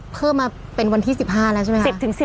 เพิ่มมาเป็นวันที่๑๕แล้วใช่ไหมครับ